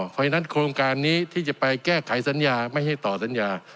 เพราะฉะนั้นโครงการนี้ที่จะไปแก้ไขสัญญาไม่ให้ต่อสัญญา